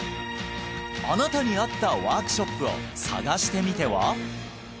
あなたに合ったワークショップを探してみては？